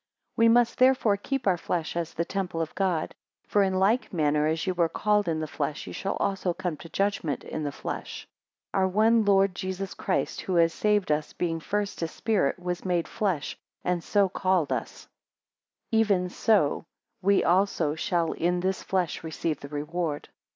2 We must, therefore, keep our flesh as the temple of God. For in like manner as ye were called in the flesh, ye shall also come to judgment in the flesh. Our one Lord Jesus Christ, who has saved us, being first a spirit, was made flesh, and so called us; even so we also shall in this flesh receive the reward.